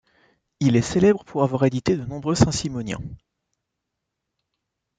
Il est célèbre pour avoir édité de nombreux saint-simoniens.